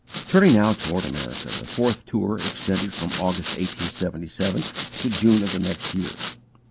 Turning now toward America, the fourth tour extended from August, 1877, to June of the next year.